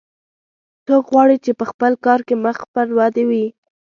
څوک غواړي چې په خپل کار کې مخ پر ودې وي